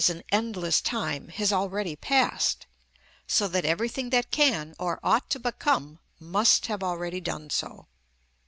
_, an endless time, has already passed, so that everything that can or ought to become must have already done so.